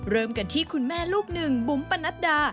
เริ่มกันที่คุณแม่ลูกหนึ่งบุ๋มปนัดดา